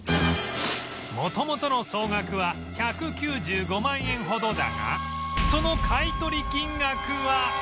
元々の総額は１９５万円ほどだがその買取金額は？